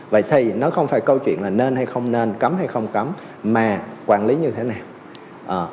vậy thì nó không phải câu chuyện là nên hay không nên cấm hay không cấm mà quản lý như thế nào